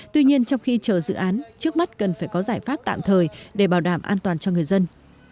tuy nhiên trong khi chờ dự án trước mắt cần phải có giải pháp tạm thời để bảo đảm an toàn cho người dân